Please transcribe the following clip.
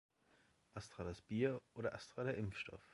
Astra das Bier oder Astra der Impfstoff?